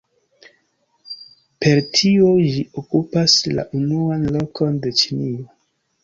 Per tio ĝi okupas la unuan lokon de Ĉinio.